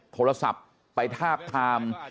โทรศัพท์ไปทาบทาม